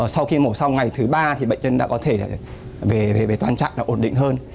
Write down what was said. sau khi mổ xong ngày thứ ba thì bệnh nhân đã có thể về toàn trạng ổn định hơn